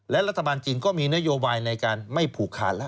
และรัฐบาลจีนก็มีนโยบายในการไม่ผูกขาดแล้ว